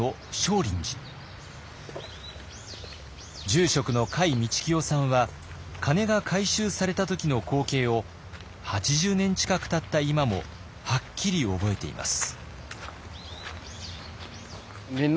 住職の甲斐道清さんは鐘が回収された時の光景を８０年近くたった今もはっきり覚えています。